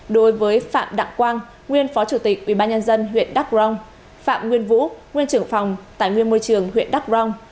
đối với phạm đặng quang nguyên phó chủ tịch ubnd huyện đắk rông phạm nguyên vũ nguyên trưởng phòng tài nguyên môi trường huyện đắk rông